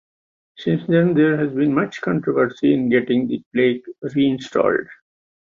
Since then there has been much controversy in getting the plaque reinstalled.